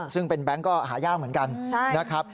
ซึ่งเป็นแบงค์ก็หายากเหมือนกันนะครับ